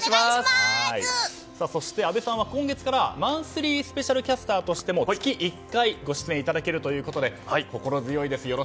そして、阿部さんは今月からマンスリースペシャルキャスターとしても月１回、ご出演いただけるということで心強いです。